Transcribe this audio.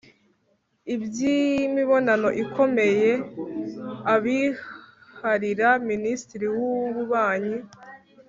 iby'imibonano ikomeye abiharira minisitiri w'ububanyi